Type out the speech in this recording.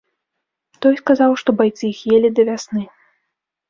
Той сказаў, што байцы іх елі да вясны.